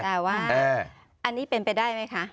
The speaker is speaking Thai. แต่ว่าอันนี้เป็นไปได้ไหมคะ